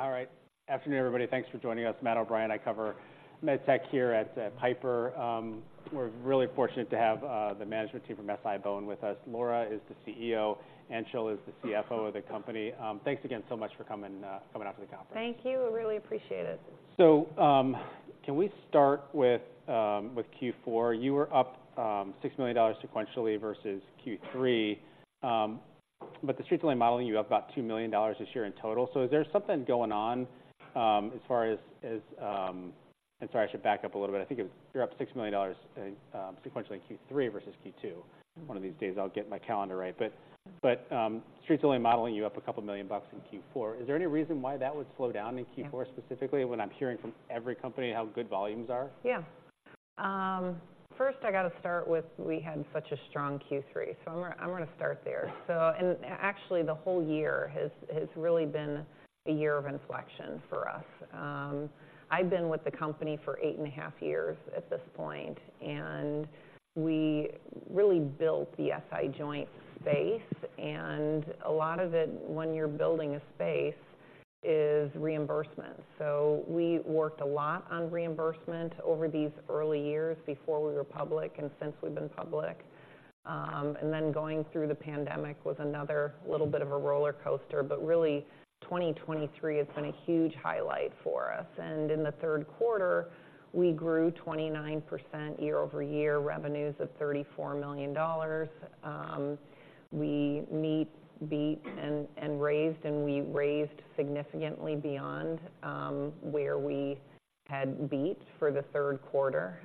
All right. Afternoon, everybody. Thanks for joining us. Matt O'Brien, I cover MedTech here at Piper. We're really fortunate to have the management team from SI-BONE with us. Laura is the CEO, Anshul is the CFO of the company. Thanks again so much for coming out to the conference. Thank you. We really appreciate it. So, can we start with Q4? You were up $6 million sequentially versus Q3. But the Street's only modeling you up about $2 million this year in total. So is there something going on as far as—and sorry, I should back up a little bit. I think it was—you're up $6 million sequentially Q3 versus Q2. One of these days I'll get my calendar right. But Street's only modeling you up a couple million bucks in Q4. Is there any reason why that would slow down in Q4 specifically, when I'm hearing from every company how good volumes are? Yeah. First, I got to start with, we had such a strong Q3, so I'm gonna start there. So and actually, the whole year has really been a year of inflection for us. I've been with the company for 8.5 years at this point, and we really built the SI joint space, and a lot of it, when you're building a space, is reimbursement. So we worked a lot on reimbursement over these early years before we were public and since we've been public. And then going through the pandemic was another little bit of a roller coaster, but really, 2023 has been a huge highlight for us. In the third quarter, we grew 29% year-over-year revenues of $34 million. We meet, beat, and raised, and we raised significantly beyond where we had beat for the third quarter.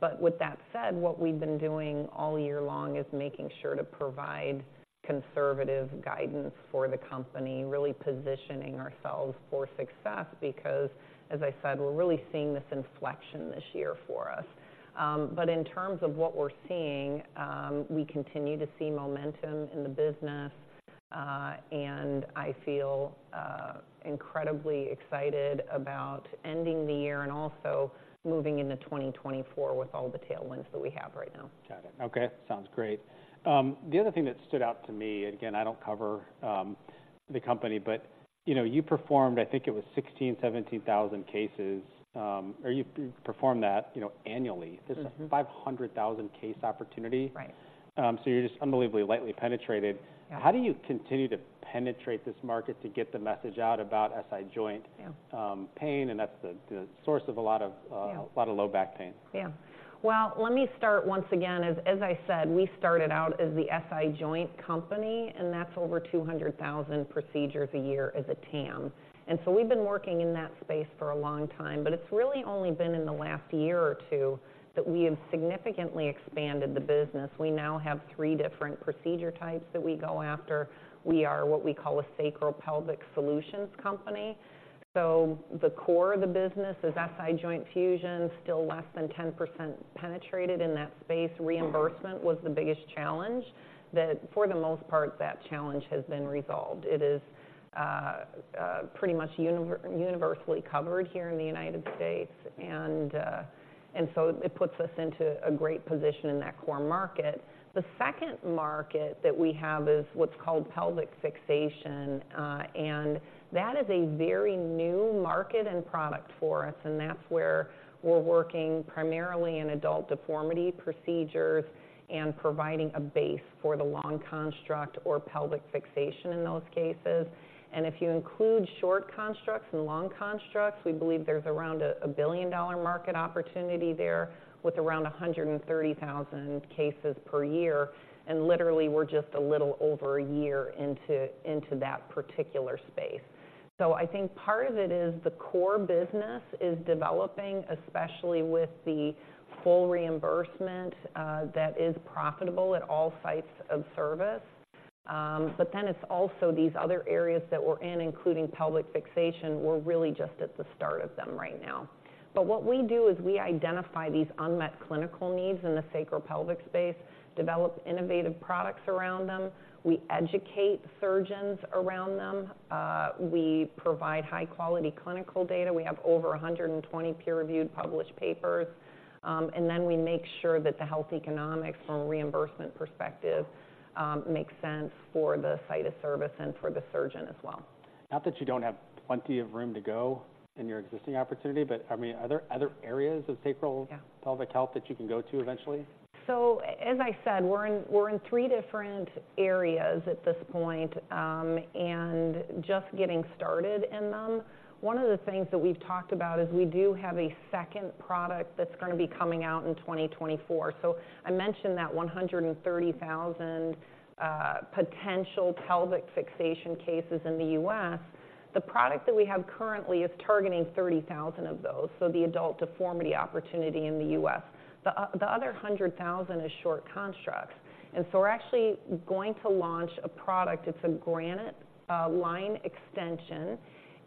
But with that said, what we've been doing all year long is making sure to provide conservative guidance for the company, really positioning ourselves for success because, as I said, we're really seeing this inflection this year for us. But in terms of what we're seeing, we continue to see momentum in the business, and I feel incredibly excited about ending the year and also moving into 2024 with all the tailwinds that we have right now. Got it. Okay, sounds great. The other thing that stood out to me, again, I don't cover the company, but, you know, you performed, I think it was 16, 17,000 cases, or you performed that, you know, annually. Mm-hmm. There's a 500,000 case opportunity. Right. So you're just unbelievably lightly penetrated. Yeah. How do you continue to penetrate this market to get the message out about SI joint? Yeah... pain, and that's the source of a lot of Yeah A lot of low back pain? Yeah. Well, let me start once again. As I said, we started out as the SI Joint Company, and that's over 200,000 procedures a year as a TAM. And so we've been working in that space for a long time, but it's really only been in the last year or two that we have significantly expanded the business. We now have three different procedure types that we go after. We are what we call a sacropelvic solutions company. So the core of the business is SI joint fusion, still less than 10% penetrated in that space. Reimbursement was the biggest challenge, that for the most part, that challenge has been resolved. It is pretty much universally covered here in the United States, and so it puts us into a great position in that core market. The second market that we have is what's called Pelvic Fixation, and that is a very new market and product for us, and that's where we're working primarily in adult deformity procedures and providing a base for the long construct or Pelvic Fixation in those cases. If you include short constructs and long constructs, we believe there's around a billion-dollar market opportunity there, with around 130,000 cases per year. Literally, we're just a little over a year into that particular space. So I think part of it is the core business is developing, especially with the full reimbursement that is profitable at all sites of service. But then it's also these other areas that we're in, including Pelvic Fixation. We're really just at the start of them right now. But what we do is we identify these unmet clinical needs in the sacropelvic space, develop innovative products around them, we educate surgeons around them, we provide high-quality clinical data. We have over 120 peer-reviewed, published papers, and then we make sure that the health economics from a reimbursement perspective makes sense for the site of service and for the surgeon as well. Not that you don't have plenty of room to go in your existing opportunity, but, I mean, are there other areas of sacro- Yeah sacropelvic health that you can go to eventually? So, as I said, we're in, we're in three different areas at this point, and just getting started in them. One of the things that we've talked about is we do have a second product that's gonna be coming out in 2024. So I mentioned that 130,000, uh, potential pelvic fixation cases in the U.S. The product that we have currently is targeting 30,000 of those, so the adult deformity opportunity in the U.S. The other 100,000 is short constructs. And so we're actually going to launch a product, it's a Granite, uh, line extension,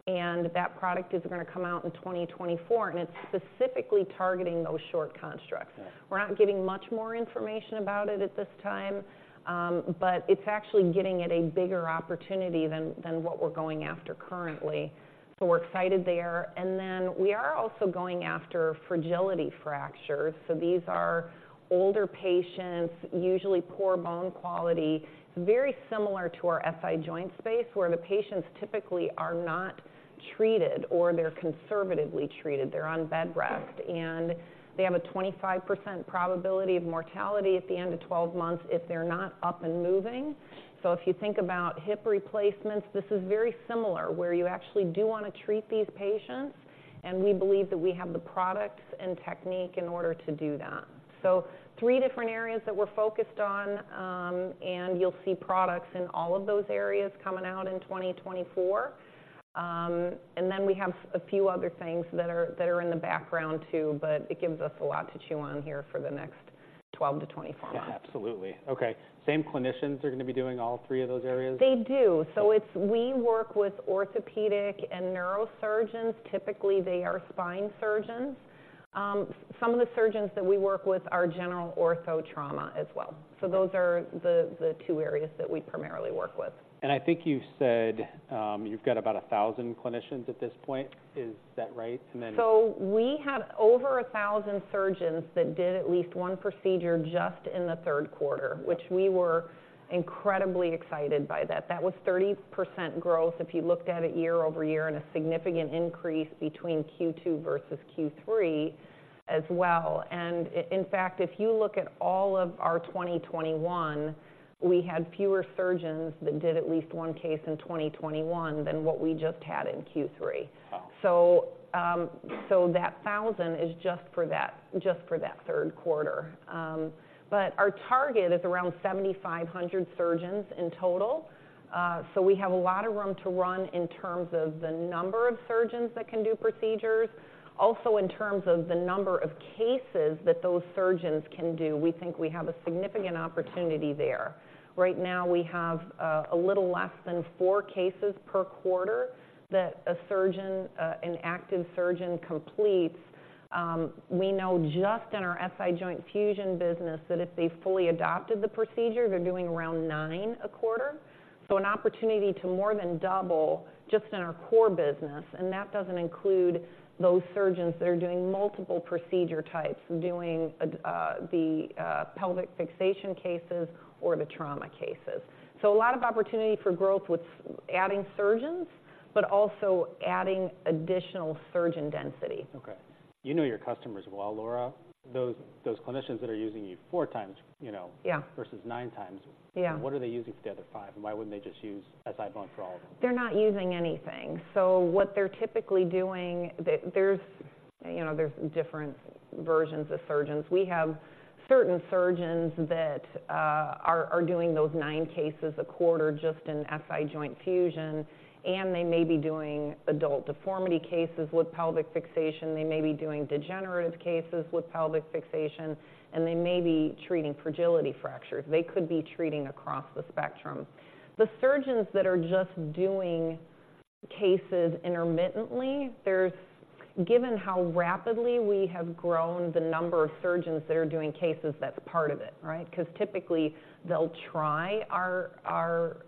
and that product is gonna come out in 2024, and it's specifically targeting those short constructs. Yeah. We're not giving much more information about it at this time, but it's actually getting at a bigger opportunity than what we're going after currently. So we're excited there. And then we are also going after fragility fractures. So these are older patients, usually poor bone quality, very similar to our SI joint space, where the patients typically are not treated or they're conservatively treated. They're on bed rest, and they have a 25% probability of mortality at the end of 12 months if they're not up and moving. So if you think about hip replacements, this is very similar, where you actually do want to treat these patients, and we believe that we have the products and technique in order to do that. So three different areas that we're focused on, and you'll see products in all of those areas coming out in 2024. And then we have a few other things that are in the background, too, but it gives us a lot to chew on here for the next 12-24 months. Yeah, absolutely. Okay, same clinicians are going to be doing all three of those areas? They do. So it's we work with orthopedic and neurosurgeons. Typically, they are spine surgeons. Some of the surgeons that we work with are general ortho trauma as well. So those are the two areas that we primarily work with. I think you said, you've got about 1,000 clinicians at this point. Is that right? And then- So we had over 1,000 surgeons that did at least one procedure just in the third quarter, which we were incredibly excited by that. That was 30% growth if you looked at it year-over-year, and a significant increase between Q2 versus Q3 as well. In fact, if you look at all of our 2021, we had fewer surgeons that did at least one case in 2021 than what we just had in Q3. Wow! So, so that 1,000 is just for that, just for that third quarter. But our target is around 7,500 surgeons in total. So we have a lot of room to run in terms of the number of surgeons that can do procedures. Also, in terms of the number of cases that those surgeons can do, we think we have a significant opportunity there. Right now, we have a little less than 4 cases per quarter that a surgeon, an active surgeon completes. We know just in our SI joint fusion business, that if they fully adopted the procedure, they're doing around 9 a quarter. So an opportunity to more than double just in our core business, and that doesn't include those surgeons that are doing multiple procedure types, doing the pelvic fixation cases or the trauma cases. A lot of opportunity for growth with adding surgeons, but also adding additional surgeon density. Okay. You know your customers well, Laura. Those clinicians that are using you 4x, you know- Yeah. - versus 9x. Yeah. What are they using for the other five? Why wouldn't they just use SI-BONE for all of them? They're not using anything. So what they're typically doing, there's, you know, there's different versions of surgeons. We have certain surgeons that are doing those nine cases a quarter just in SI joint fusion, and they may be doing adult deformity cases with pelvic fixation, they may be doing degenerative cases with pelvic fixation, and they may be treating fragility fractures. They could be treating across the spectrum. The surgeons that are just doing cases intermittently, there's, given how rapidly we have grown the number of surgeons that are doing cases, that's part of it, right? Because typically they'll try our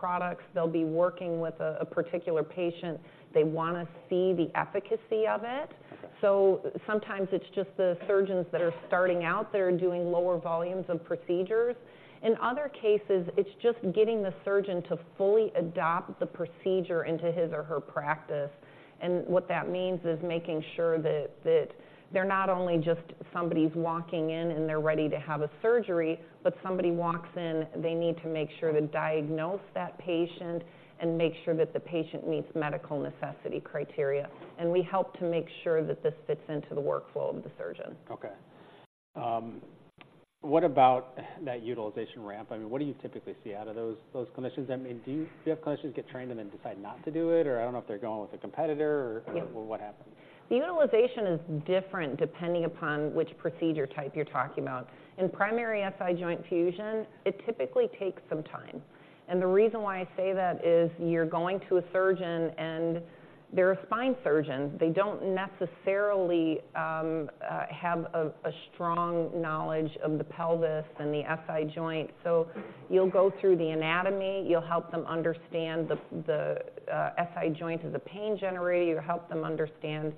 products. They'll be working with a particular patient. They want to see the efficacy of it. Okay. So sometimes it's just the surgeons that are starting out that are doing lower volumes of procedures. In other cases, it's just getting the surgeon to fully adopt the procedure into his or her practice. And what that means is making sure that they're not only just somebody's walking in and they're ready to have a surgery, but somebody walks in, they need to make sure to diagnose that patient and make sure that the patient meets medical necessity criteria. We help to make sure that this fits into the workflow of the surgeon. Okay. What about that utilization ramp? I mean, what do you typically see out of those clinicians? I mean, do you have clinicians get trained and then decide not to do it, or I don't know if they're going with a competitor, or- Yeah... what happened? The utilization is different depending upon which procedure type you're talking about. In primary SI joint fusion, it typically takes some time. The reason why I say that is you're going to a surgeon, and they're a spine surgeon. They don't necessarily have a strong knowledge of the pelvis and the SI joint. So you'll go through the anatomy, you'll help them understand the SI joint as a pain generator. You'll help them understand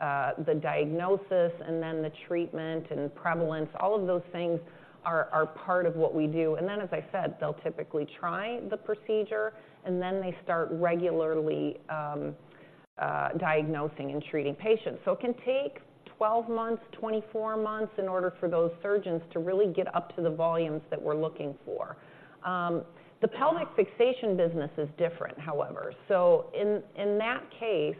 the diagnosis and then the treatment and prevalence. All of those things are part of what we do. Then, as I said, they'll typically try the procedure, and then they start regularly diagnosing and treating patients. So it can take 12 months, 24 months, in order for those surgeons to really get up to the volumes that we're looking for. The pelvic fixation business is different, however. So in that case,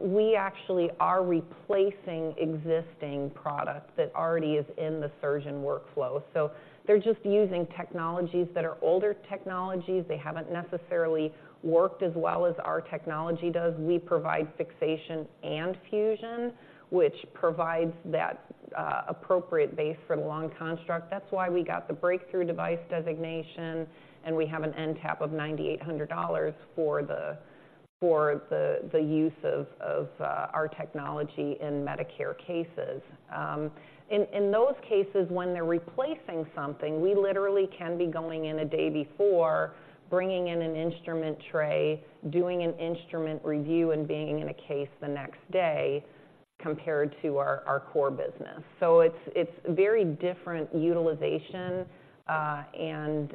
we actually are replacing existing product that already is in the surgeon workflow. So they're just using technologies that are older technologies. They haven't necessarily worked as well as our technology does. We provide fixation and fusion, which provides that appropriate base for the long construct. That's why we got the Breakthrough Device Designation, and we have an NTAP of $9,800 for the use of our technology in Medicare cases. In those cases, when they're replacing something, we literally can be going in a day before, bringing in an instrument tray, doing an instrument review, and being in a case the next day. Compared to our core business. So it's very different utilization, and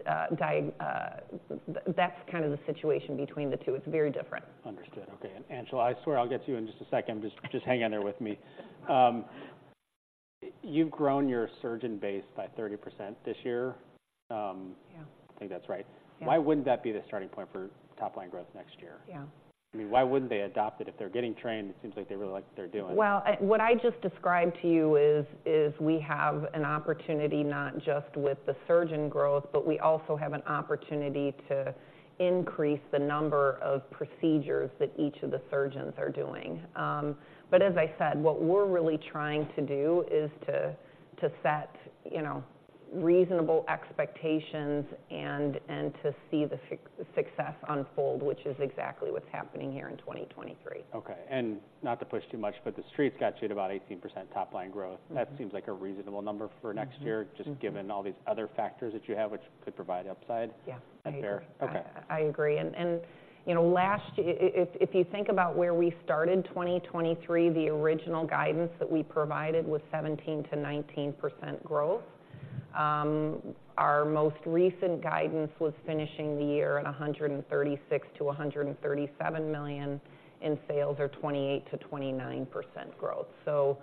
that's kind of the situation between the two. It's very different. Understood. Okay. Anshul, I swear I'll get to you in just a second. Just, just hang in there with me. You've grown your surgeon base by 30% this year. Yeah. I think that's right. Yeah. Why wouldn't that be the starting point for top line growth next year? Yeah. I mean, why wouldn't they adopt it? If they're getting trained, it seems like they really like what they're doing. Well, what I just described to you is we have an opportunity, not just with the surgeon growth, but we also have an opportunity to increase the number of procedures that each of the surgeons are doing. But as I said, what we're really trying to do is to set, you know, reasonable expectations and to see the success unfold, which is exactly what's happening here in 2023. Okay, and not to push too much, but the Street's got you at about 18% top line growth. Mm-hmm. That seems like a reasonable number for next year. Mm-hmm... just given all these other factors that you have, which could provide upside? Yeah. Okay. I agree. And, you know, last year, if you think about where we started 2023, the original guidance that we provided was 17%-19% growth. Our most recent guidance was finishing the year at $136 million-$137 million in sales, or 28%-29% growth. So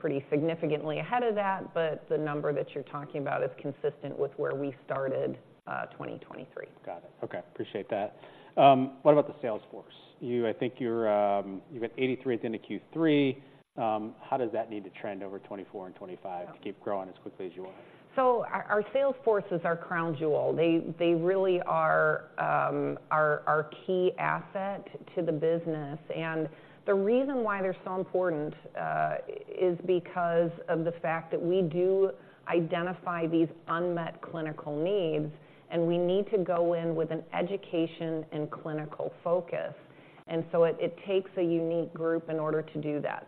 pretty significantly ahead of that, but the number that you're talking about is consistent with where we started 2023. Got it. Okay, appreciate that. What about the sales force? You—I think you're, you've got 83 at the end of Q3. How does that need to trend over 2024 and 2025 to keep growing as quickly as you want? So our sales force is our crown jewel. They really are our key asset to the business. The reason why they're so important is because of the fact that we do identify these unmet clinical needs, and we need to go in with an education and clinical focus. So it takes a unique group in order to do that.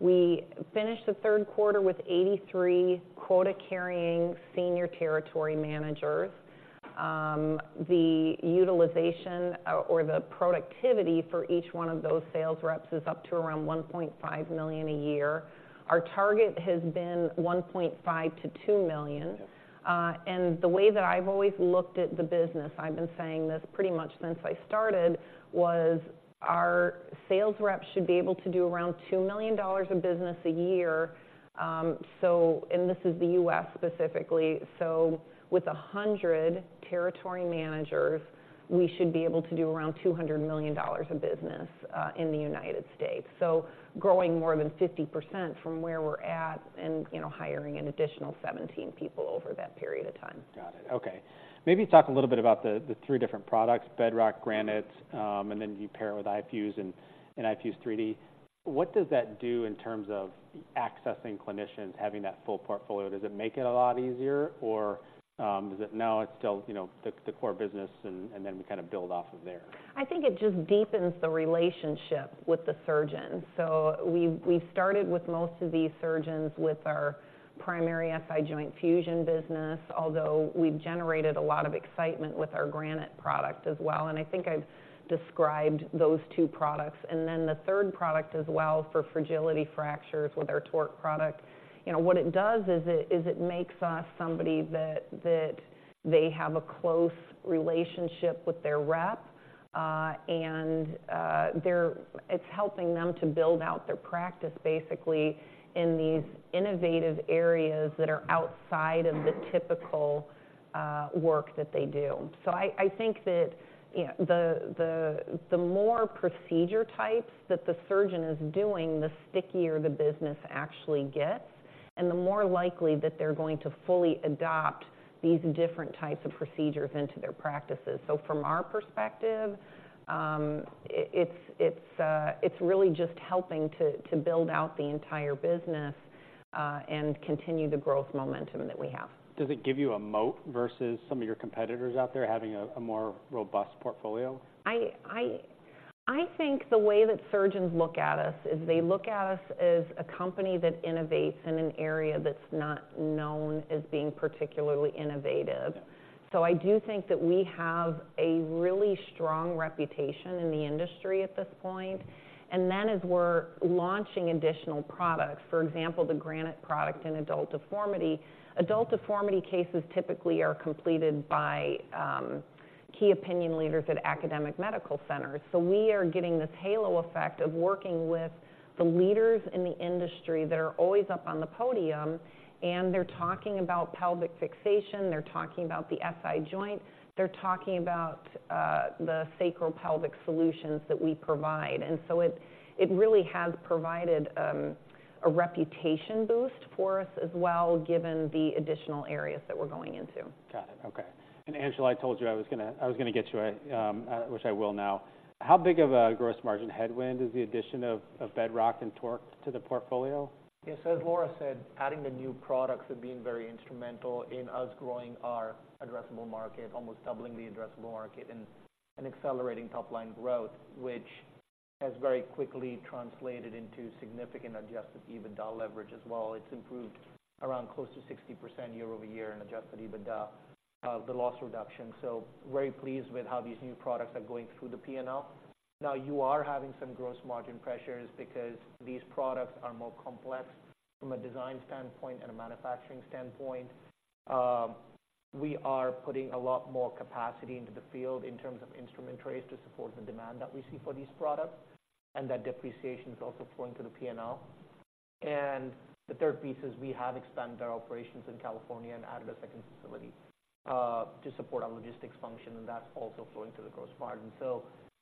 We finished the third quarter with 83 quota-carrying senior territory managers. The utilization or the productivity for each one of those sales reps is up to around $1.5 million a year. Our target has been $1.5 million-$2 million. Okay. And the way that I've always looked at the business, I've been saying this pretty much since I started, was our sales reps should be able to do around $2 million of business a year. This is the U.S. specifically. With 100 territory managers, we should be able to do around $200 million of business in the United States. Growing more than 50% from where we're at and, you know, hiring an additional 17 people over that period of time. Got it. Okay. Maybe talk a little bit about the, the three different products, Bedrock, Granite, and then you pair with iFuse and iFuse 3D. What does that do in terms of accessing clinicians, having that full portfolio? Does it make it a lot easier, or is it now it's still, you know, the, the core business and then we kind of build off of there? I think it just deepens the relationship with the surgeon. So we started with most of these surgeons with our primary SI joint fusion business, although we've generated a lot of excitement with our Granite product as well, and I think I've described those two products. And then the third product as well, for fragility fractures with our TORQ product. You know, what it does is it makes us somebody that they have a close relationship with their rep, and they're, it's helping them to build out their practice, basically, in these innovative areas that are outside of the typical work that they do. So I think that, you know, the more procedure types that the surgeon is doing, the stickier the business actually gets, and the more likely that they're going to fully adopt these different types of procedures into their practices. So from our perspective, it's really just helping to build out the entire business, and continue the growth momentum that we have. Does it give you a moat versus some of your competitors out there, having a more robust portfolio? I think the way that surgeons look at us is they look at us as a company that innovates in an area that's not known as being particularly innovative. Yeah. So I do think that we have a really strong reputation in the industry at this point. And then as we're launching additional products, for example, the Granite product in adult deformity, adult deformity cases typically are completed by key opinion leaders at academic medical centers. So we are getting this halo effect of working with the leaders in the industry that are always up on the podium, and they're talking about pelvic fixation, they're talking about the SI joint, they're talking about the sacropelvic solutions that we provide. And so it really has provided a reputation boost for us as well, given the additional areas that we're going into. Got it. Okay. And, Anshul, I told you I was gonna, I was gonna get you in, which I will now. How big of a gross margin headwind is the addition of Bedrock and TORQ to the portfolio? Yes, as Laura said, adding the new products have been very instrumental in us growing our addressable market, almost doubling the addressable market and, and accelerating top-line growth, which has very quickly translated into significant adjusted EBITDA leverage as well. It's improved around close to 60% year-over-year in adjusted EBITDA... the loss reduction. So very pleased with how these new products are going through the P&L. Now, you are having some gross margin pressures because these products are more complex from a design standpoint and a manufacturing standpoint. We are putting a lot more capacity into the field in terms of instrument trays to support the demand that we see for these products, and that depreciation is also flowing through the P&L. The third piece is we have expanded our operations in California and added a second facility to support our logistics function, and that's also flowing through the gross margin.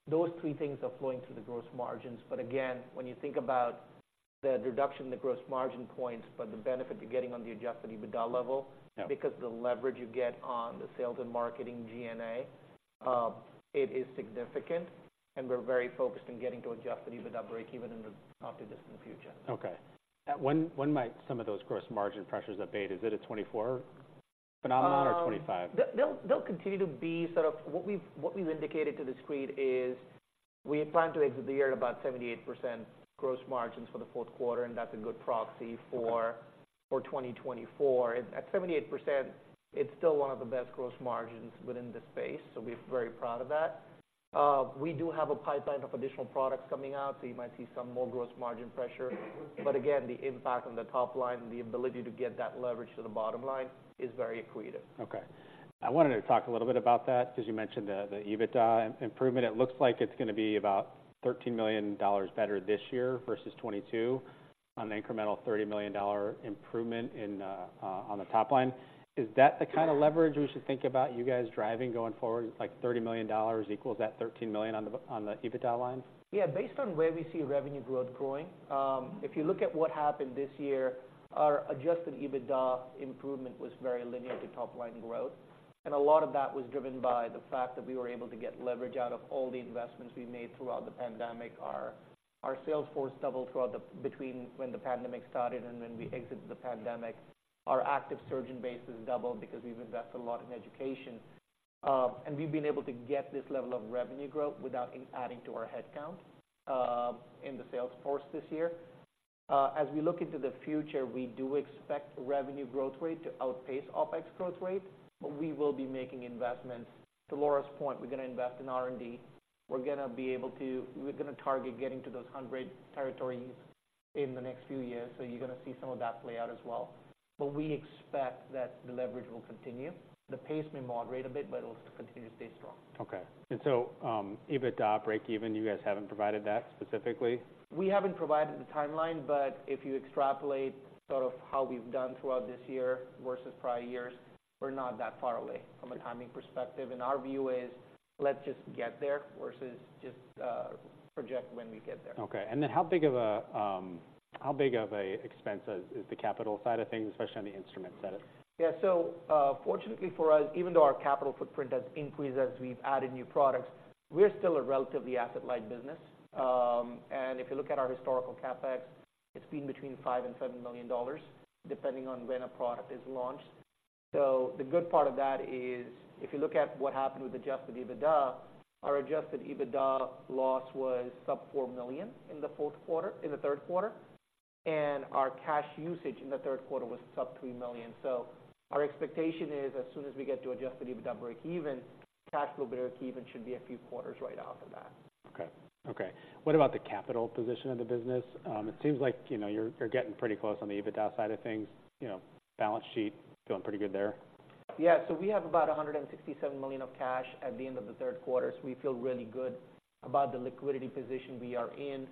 Those three things are flowing through the gross margins. Again, when you think about the reduction in the gross margin points, but the benefit you're getting on the Adjusted EBITDA level- Yeah. because the leverage you get on the sales and marketing G&A, it is significant, and we're very focused on getting to Adjusted EBITDA breakeven in the not-too-distant future. Okay. When, when might some of those gross margin pressures abate? Is it a 2024 phenomenon or 2025? What we've indicated to the street is we plan to exit the year at about 78% gross margins for the fourth quarter, and that's a good proxy for- Okay. - for 2024. At 78%, it's still one of the best gross margins within this space, so we're very proud of that. We do have a pipeline of additional products coming out, so you might see some more gross margin pressure. But again, the impact on the top line, the ability to get that leverage to the bottom line is very accretive. Okay. I wanted to talk a little bit about that, because you mentioned the EBITDA improvement. It looks like it's gonna be about $13 million better this year versus 2022 on the incremental $30 million improvement in on the top line. Is that the kind of leverage we should think about you guys driving going forward, like, $30 million equals that $13 million on the EBITDA line? Yeah, based on where we see revenue growth going, if you look at what happened this year, our Adjusted EBITDA improvement was very linear to top line growth, and a lot of that was driven by the fact that we were able to get leverage out of all the investments we made throughout the pandemic. Our sales force doubled between when the pandemic started and when we exited the pandemic. Our active surgeon base has doubled because we've invested a lot in education. And we've been able to get this level of revenue growth without adding to our headcount in the sales force this year. As we look into the future, we do expect revenue growth rate to outpace OpEx growth rate, but we will be making investments. To Laura's point, we're gonna invest in R&D. We're gonna target getting to those 100 territories in the next few years, so you're gonna see some of that play out as well. But we expect that the leverage will continue. The pace may moderate a bit, but it'll continue to stay strong. Okay. And so, EBITDA breakeven, you guys haven't provided that specifically? We haven't provided the timeline, but if you extrapolate sort of how we've done throughout this year versus prior years, we're not that far away from a timing perspective. Okay. Our view is let's just get there versus just project when we get there. Okay. How big of a expense is the capital side of things, especially on the instrument side? Yeah. So, fortunately for us, even though our capital footprint has increased as we've added new products, we're still a relatively asset-light business. And if you look at our historical CapEx, it's been between $5 million and $7 million, depending on when a product is launched. So the good part of that is, if you look at what happened with Adjusted EBITDA, our Adjusted EBITDA loss was sub $4 million in the fourth quarter—in the third quarter, and our cash usage in the third quarter was sub $3 million. So our expectation is, as soon as we get to Adjusted EBITDA breakeven, cash flow breakeven should be a few quarters right after that. Okay. Okay. What about the capital position of the business? It seems like, you know, you're, you're getting pretty close on the EBITDA side of things. You know, balance sheet, doing pretty good there? Yeah, so we have about $167 million of cash at the end of the third quarter. We feel really good about the liquidity position we are in,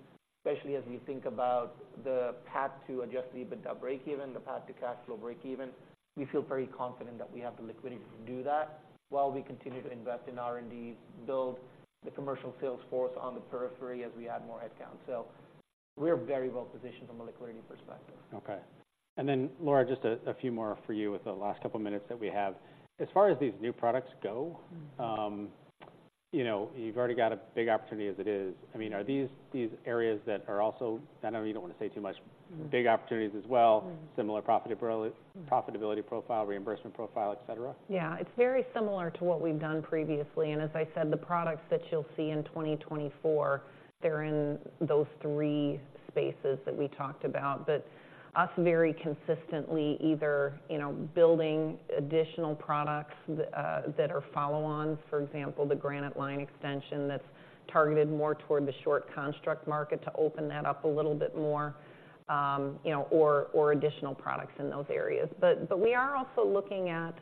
especially as we think about the path to Adjusted EBITDA breakeven, the path to cash flow breakeven. We feel very confident that we have the liquidity to do that while we continue to invest in R&D, build the commercial sales force on the periphery as we add more headcount. We're very well positioned from a liquidity perspective. Okay. And then, Laura, just a few more for you with the last couple of minutes that we have. As far as these new products go- Mm-hmm. you know, you've already got a big opportunity as it is. I mean, are these, these areas that are also, I know you don't want to say too much? Mm. big opportunities as well? Mm. Similar profitability, profitability profile, reimbursement profile, et cetera? Yeah. It's very similar to what we've done previously, and as I said, the products that you'll see in 2024, they're in those three spaces that we talked about. But us very consistently either, you know, building additional products that are follow-ons, for example, the Granite line extension that's targeted more toward the short construct market, to open that up a little bit more, you know, or, or additional products in those areas. But, but we are also looking at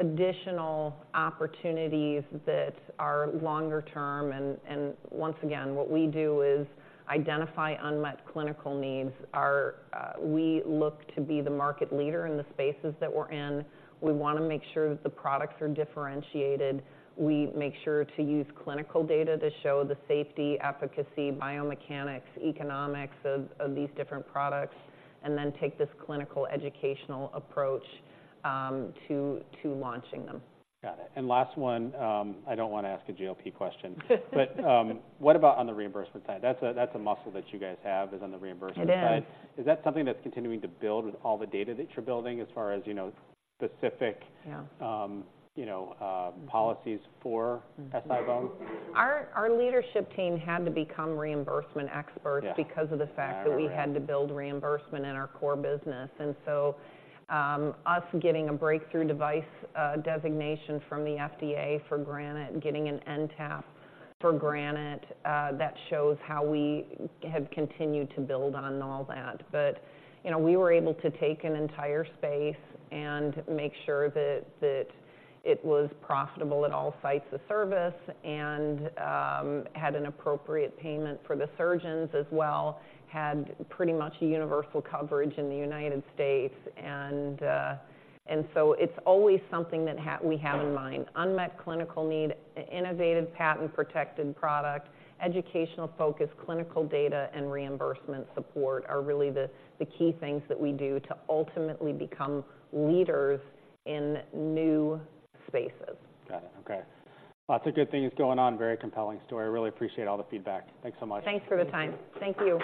additional opportunities that are longer term, and, and once again, what we do is identify unmet clinical needs. Our, we look to be the market leader in the spaces that we're in. We wanna make sure that the products are differentiated. We make sure to use clinical data to show the safety, efficacy, biomechanics, economics of these different products, and then take this clinical educational approach to launching them. Got it. And last one, I don't wanna ask a GLP question. But, what about on the reimbursement side? That's a, that's a muscle that you guys have, is on the reimbursement side. It is. Is that something that's continuing to build with all the data that you're building as far as, you know, specific- Yeah. you know, policies for SI-BONE? Mm-hmm. Our leadership team had to become reimbursement experts- Yeah... because of the fact that we had to build reimbursement in our core business. And so, us getting a Breakthrough Device Designation from the FDA for Granite, getting an NTAP for Granite, that shows how we have continued to build on all that. But, you know, we were able to take an entire space and make sure that it was profitable at all sites of service and had an appropriate payment for the surgeons as well, had pretty much universal coverage in the United States. And so it's always something that we have in mind. Unmet clinical need, innovative patent-protected product, educational focus, clinical data, and reimbursement support are really the key things that we do to ultimately become leaders in new spaces. Got it. Okay. Lots of good things going on. Very compelling story. I really appreciate all the feedback. Thanks so much. Thanks for the time. Thank you.